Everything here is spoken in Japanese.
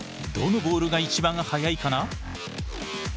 どのボールが一番速いかな？